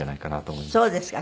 そうですか。